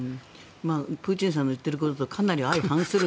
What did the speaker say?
プーチンさんの言っていることとかなり相反する。